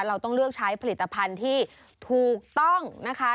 เราต้องเลือกใช้ผลิตภัณฑ์ที่ถูกต้องนะคะ